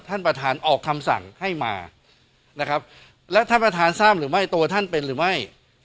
ท่านประธานออกคำสั่งให้มานะครับและท่านประธานทราบหรือไม่ตัวท่านเป็นหรือไม่